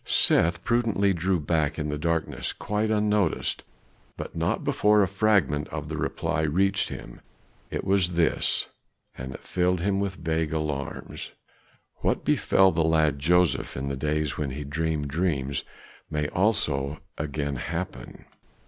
Seth prudently drew back in the darkness quite unnoticed, but not before a fragment of the reply reached him; it was this, and it filled him with vague alarms. "What befell the lad Joseph in the days when he dreamed dreams, may also again happen."